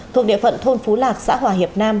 thuộc địa phận thôn phú lạc xã hòa hiệp nam